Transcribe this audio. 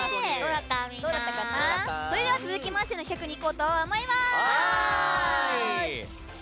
それでは続きましての企画にいこうと思います。